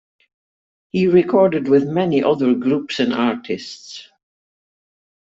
He recorded with many other groups and artists.